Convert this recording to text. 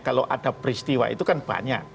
kalau ada peristiwa itu kan banyak